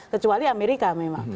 kecuali amerika memang